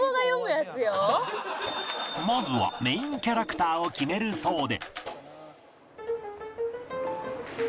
まずはメインキャラクターを決めるそうで